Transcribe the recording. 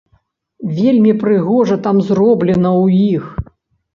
Вельмі прыгожа там зроблена ў іх.